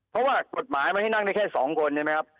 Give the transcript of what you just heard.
เพราะว่ากฎหมายมันให้นั่งได้แค่๒คนใช่ไหมครับ